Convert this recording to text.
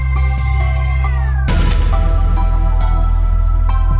โปรดติดตามต่อไป